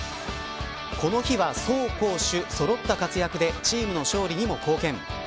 この日は、走攻守そろった活躍でチームの勝利にも貢献。